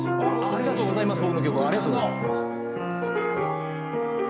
ありがとうございます。